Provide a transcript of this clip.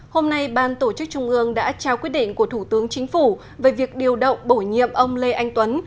hôm nay ban tổ chức trung ương đã trao quyết định của thủ tướng chính phủ về việc điều động bổ nhiệm ông lê anh tuấn